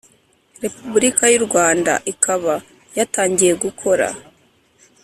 Repubulika y u Rwanda ikaba yatangiye gukora